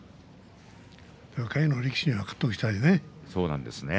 下位の力士には勝っておきたいよね。